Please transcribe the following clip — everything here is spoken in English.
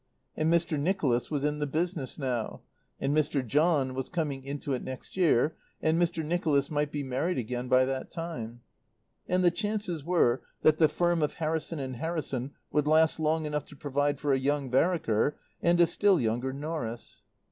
And Mr. Nicholas was in the business now, and Mr. John was coming into it next year, and Mr. Nicholas might be married again by that time; and the chances were that the firm of Harrison and Harrison would last long enough to provide for a young Vereker and a still younger Norris.